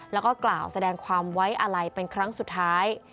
แล้วก็กล่าวแสดงความไว้อาลัยเป็นครั้งสุดท้าย